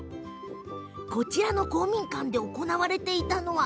こちらの公民館で行われていたのは。